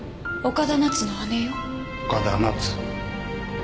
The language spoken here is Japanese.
岡田奈津？